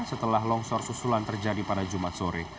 setelah longsor susulan terjadi pada jumat sore